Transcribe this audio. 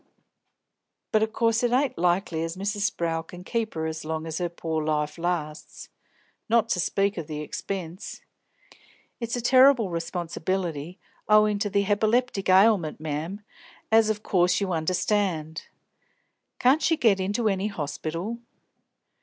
But of course it ain't likely as Mrs. Sprowl can keep her as long as her pore life lasts; not to speak of the expense; it's a terrible responsibility, owin' to the hepiplectic ailment, mem, as of course you understand." "Can't she get into any hospital!"